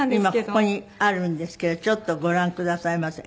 今ここにあるんですけどちょっとご覧くださいませ。